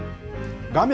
画面